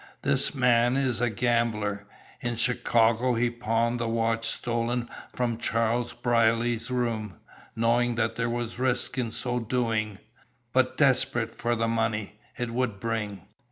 This man is a gambler. In Chicago he pawned the watch stolen from Charles Brierly's room, knowing that there was risk in so doing, but desperate for the money it would bring.